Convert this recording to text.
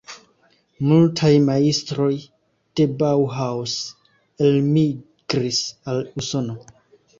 Multaj majstroj de "Bauhaus" elmigris al Usono.